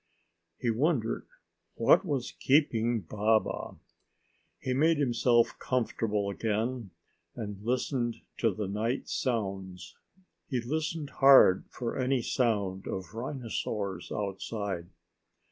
He wondered what was keeping Baba. He made himself comfortable again and listened to the night sounds. He listened hard for any sound of rhinosaurs outside.